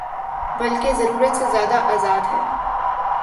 بلکہ ضرورت سے زیادہ آزاد ہے۔